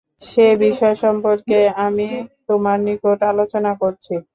সে বিষয় সম্পর্কে আমি তোমার নিকট আলোচনা করছি।